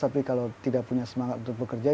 tapi kalau tidak punya semangat untuk bekerja